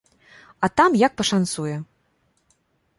А там як пашанцуе.